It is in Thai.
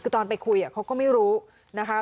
คือตอนไปคุยเขาก็ไม่รู้นะคะ